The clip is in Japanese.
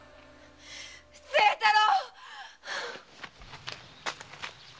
清太郎！